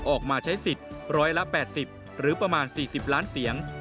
ออกมาใช้สิทธิ์๑๘๐หรือประมาณ๔๐ล้านเสียง